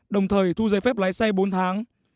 đồng thời thu giấy phép lái xe bốn tháng